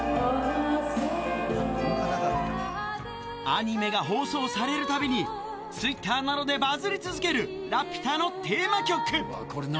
アニメが放送されるたびに、ツイッターなどでバズり続けるラピュタのテーマ曲。